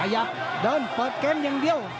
อยากเดินเปิดเกมอย่างเดียว